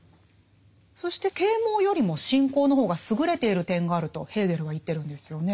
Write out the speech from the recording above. そして啓蒙よりも信仰の方が優れている点があるとヘーゲルは言ってるんですよね。